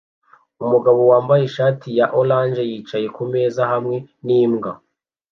Umugabo wambaye ishati ya orange yicaye kumeza hamwe nimbwa